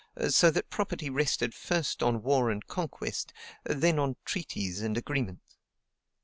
So that property rested first on war and conquest, then on treaties and agreements.